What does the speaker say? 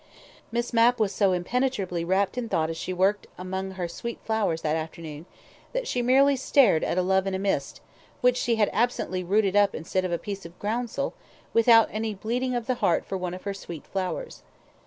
Miss Mapp was so impenetrably wrapped in thought as she worked among her sweet flowers that afternoon, that she merely stared at a "love in a mist", which she had absently rooted up instead of a piece of groundsel, without any bleeding of the heart for one of her sweet flowers.